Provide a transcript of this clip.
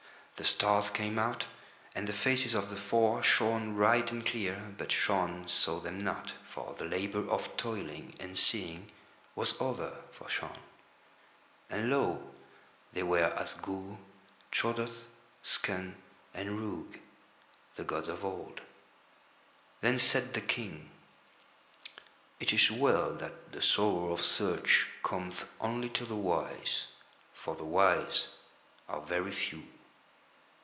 The stars came out, and the faces of the four shone bright and clear, but Shaun saw them not, for the labour of toiling and seeing was over for Shaun; and lo! They were Asgool, Trodath, Skun, and Rhoog—The gods of Old. Then said the King: "It is well that the sorrow of search cometh only to the wise, for the wise are very few."